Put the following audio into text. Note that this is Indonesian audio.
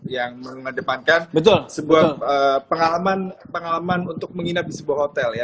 yang mengedepankan sebuah pengalaman untuk menginap di sebuah hotel ya